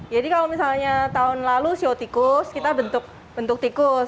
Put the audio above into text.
jadi kalau misalnya tahun lalu shio tikus kita bentuk tikus